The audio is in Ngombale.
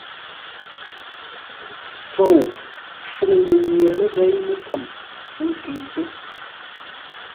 Fou fûŋ mənye ləghěi mətsəm ńkə́itə́.